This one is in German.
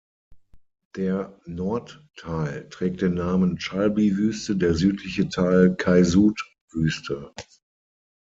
Der Nordteil trägt den Namen „Chalbi-Wüste“, der südliche Teil „Kaisut-Wüste“.